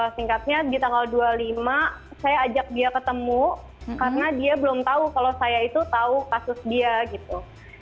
singkatnya di tanggal dua puluh lima saya ajak dia ketemu karena dia belum tahu kalau saya itu tahu kasus dia gitu